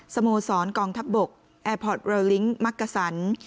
สโมสรกองทัพบกแอร์พอร์ตเรลลิงก์มักกะสัน